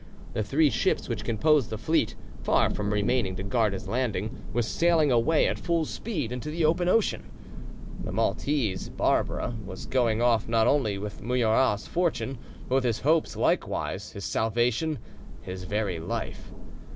The three ships which composed the fleet, far from remaining to guard his landing, were sailing away at full speed into the open sea. The Maltese, Barbara, was going off not only with Murat's fortune, but with his hopes likewise, his salvation, his very life.